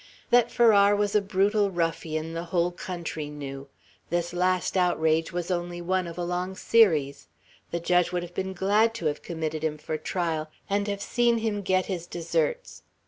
That Farrar was a brutal ruffian, the whole country knew. This last outrage was only one of a long series; the judge would have been glad to have committed him for trial, and have seen him get his deserts.